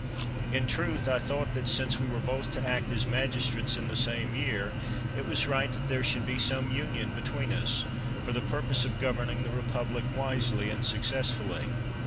In truth, I thought that, since we were both to act as magistrates in the same year, it was right that there should be some union between us, for the purpose of governing the republic wisely and successfully.